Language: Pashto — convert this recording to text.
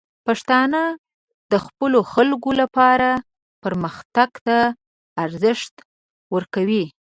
پښتانه د خپلو خلکو لپاره پرمختګ ته ارزښت ورکوي.